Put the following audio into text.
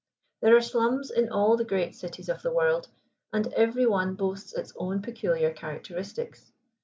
There are slums in all the great cities of the world, and every one boasts its own peculiar characteristics.